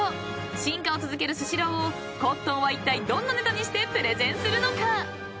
［進化を続けるスシローをコットンはいったいどんなネタにしてプレゼンするのか］